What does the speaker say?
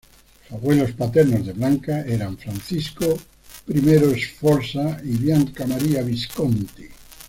Los abuelos paternos de Blanca eran Francisco I Sforza y Bianca Maria Visconti.